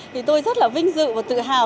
thì tôi rất là vinh dự và tự hào